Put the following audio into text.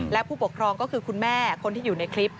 และผู้ปกครองก็คือคุณแม่คนที่อยู่ในคลิป